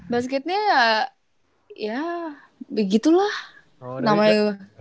basketnya ya begitulah namanya gitu